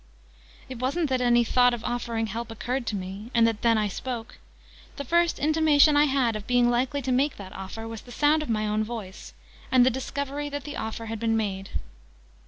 It wasn't that any thought of offering help occurred to me, and that then I spoke: the first intimation I had, of being likely to make that offer, was the sound of my own voice, and the discovery that the offer had been made.